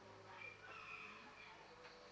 saya sudah memiliki rumah singgah di tempat yang terperinciu